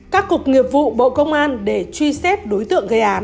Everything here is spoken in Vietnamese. các cục nghiệp vụ bộ công an để truy xét đối tượng gây án